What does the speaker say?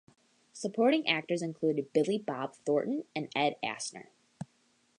Supporting actors included Billy Bob Thornton and Ed Asner.